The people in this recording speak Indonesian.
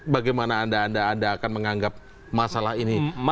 bagaimana anda anda akan menganggap masalah ini